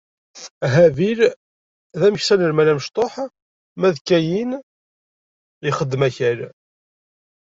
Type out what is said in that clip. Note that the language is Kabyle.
Habil, d ameksa n lmal amecṭuḥ, ma d Kayin ixeddem akal.